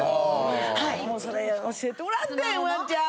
はいもうそれ教えてもらってんフワちゃん！